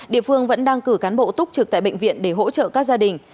địa phương vẫn đang cử cán bộ túc trực tại bệnh viện để hỗ trợ các gia đình